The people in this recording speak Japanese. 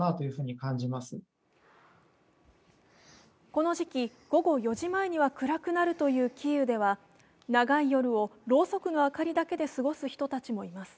この時期、午後４時前には暗くなるというキーウでは長い夜をろうそくの明かりだけで過ごす人たちもいます。